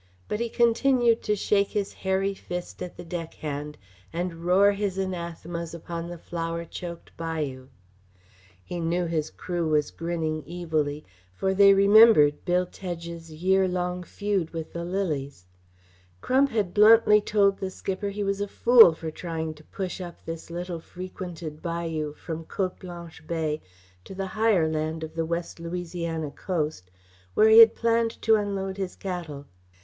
But he continued to shake his hairy fist at the deckhand and roar his anathemas upon the flower choked bayou. He knew his crew was grinning evilly, for they remembered Bill Tedge's year long feud with the lilies. Crump had bluntly told the skipper he was a fool for trying to push up this little frequented bayou from Cote Blanche Bay to the higher land of the west Louisiana coast, where he had planned to unload his cattle.